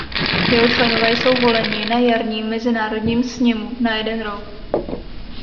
Jeho členové jsou voleni na jarním Mezinárodním sněmu na jeden rok.